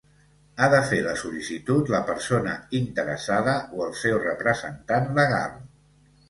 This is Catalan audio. Ha de fer la sol·licitud la persona interessada o el seu representant legal.